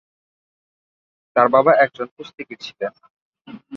তার বাবা একজন কুস্তিগীর ছিলেন।